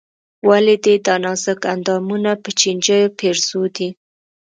ولې دې دا نازک اندامونه په چينجيو پېرزو دي.